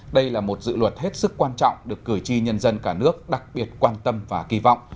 đây là một dự luật hết sức quan trọng được cử tri nhân dân cả nước đặc biệt quan tâm và kỳ vọng